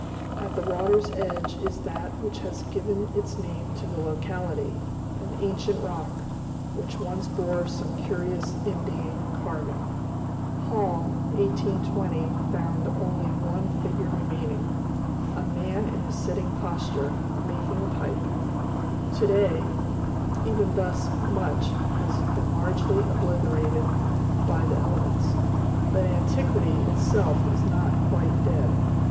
At the water's edge is that which has given its name to the locality, an ancient rock, which once bore some curious Indian carving. Hall (1820) found only one figure remaining, "a man in a sitting posture, making a pipe;" to day, even thus much has been largely obliterated by the elements. But Antiquity itself is not quite dead.